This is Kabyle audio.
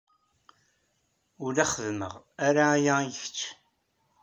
Ur la xeddmeɣ ara aya i kečč.